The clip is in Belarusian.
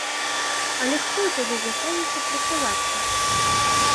Але хто тады застанецца працаваць тут?